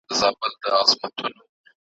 د غرڅه په څېر پخپله دام ته لویږي ,